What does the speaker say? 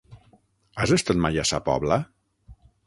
Has estat mai a Sa Pobla?